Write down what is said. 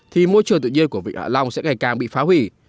thì môi trường tự nhiên của vịnh hạ long sẽ ngày càng bị phá hủy